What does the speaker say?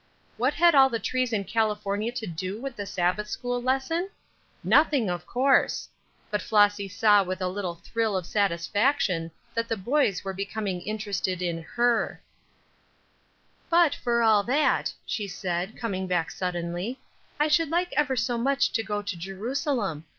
What had all the trees in California to do with the Sabbath school lesson? Nothing, of course; but Flossy saw with a little thrill of satisfaction that the boys were becoming interested in her. "But for all that," she said, coming back suddenly, "I should like ever so much to go to Jerusalem.